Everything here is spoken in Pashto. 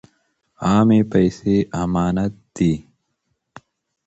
عامې پیسې امانت دي.